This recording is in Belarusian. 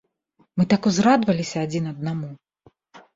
Мы так узрадаваліся адзін аднаму.